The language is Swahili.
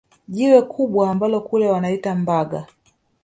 Jiwe kubwa ambalo kule wanaita Mbaga